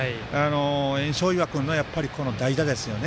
焔硝岩君の代打ですよね。